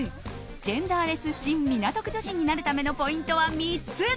ジェンダーレスシン・港区女子になるためのポイントは３つ。